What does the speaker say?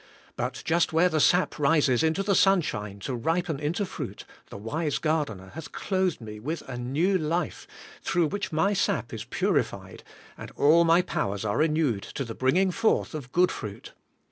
But just where the sap rises into the sunshine to ripen into fruit, the wise gardener hath clothed me with a new life, through which my sap is purified, and all my powers are renewed to the bringing forth of good fruit.